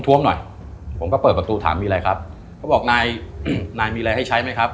หน่อยผมก็เปิดประตูถามมีอะไรครับเขาบอกนายอืมนายนายมีอะไรให้ใช้ไหมครับ